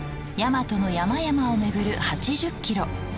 やまとの山々を巡る８０キロ。